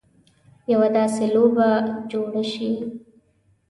یوه داسې لوبه جوړه شي.